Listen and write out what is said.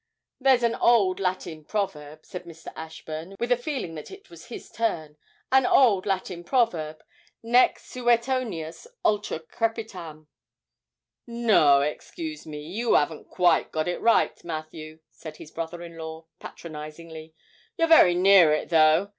'There's an old Latin proverb,' said Mr. Ashburn, with a feeling that it was his turn 'an old Latin proverb, "Nec suetonius ultra crepitam."' 'No, excuse me, you 'aven't quite got it, Matthew,' said his brother in law, patronisingly; 'you're very near it, though.